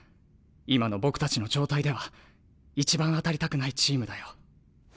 今の僕たちの状態では一番当たりたくないチームだよ。